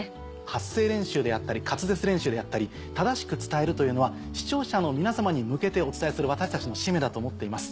発声練習であったり滑舌練習であったり正しく伝えるというのは視聴者の皆様に向けてお伝えする私たちの使命だと思っています。